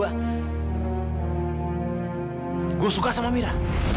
aku suka dengan mira